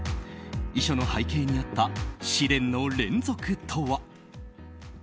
遺書の背景にあった試練の連続とは。